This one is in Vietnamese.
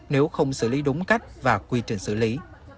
nếu không xử lý đúng cách và quy trình xử lý